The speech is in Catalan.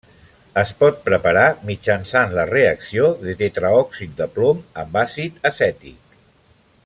Es pot preparar mitjançant la reacció de tetraòxid de plom amb àcid acètic.